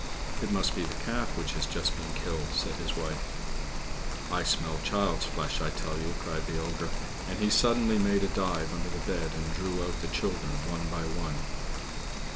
"It must be the calf which has just been killed," said his wife. "I smell child's flesh, I tell you!" cried the ogre, and he suddenly made a dive under the bed, and drew out the children one by one.